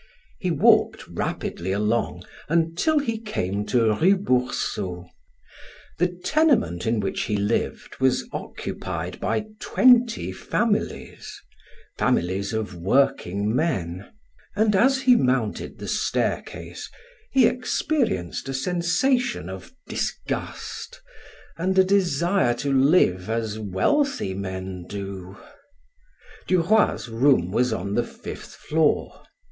He walked rapidly along until he came to Rue Boursault. The tenement in which he lived was occupied by twenty families families of workingmen and as he mounted the staircase he experienced a sensation of disgust and a desire to live as wealthy men do. Duroy's room was on the fifth floor.